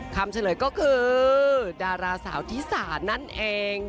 คำเฉลยก็คือดาราสาวธิษฐานั่นเอง